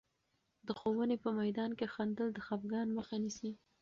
د ښوونې په میدان کې خندل، د خفګان مخه نیسي.